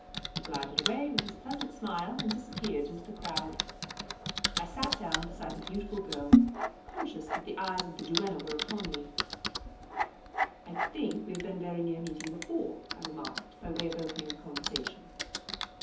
He glided away with his pleasant smile, and disappeared in the crowd. I sat down beside the beautiful girl, conscious that the eyes of the duenna were upon me. "I think we have been very near meeting before," I remarked, by way of opening the conversation.